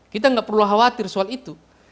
kita nggak perlu khawatir soal itu